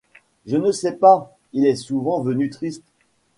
Je ne sais pas, il est souvent venu triste.